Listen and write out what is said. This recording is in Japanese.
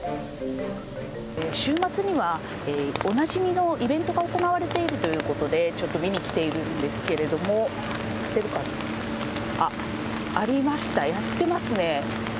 週末にはおなじみのイベントが行われているということで、ちょっと見に来ているんですけれども、やってるかな、ありました、やってますね。